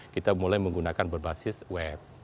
kita mulai menggunakan berbasis web